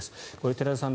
寺田さん